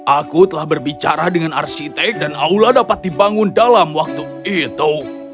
aku telah berbicara dengan arsitek dan aula dapat dibangun dalam waktu itu